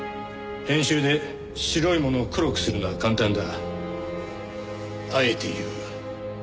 編集で白いものを黒くするのは簡単だ。あえて言う。